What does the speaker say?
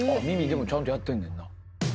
耳ちゃんとやってんねんな。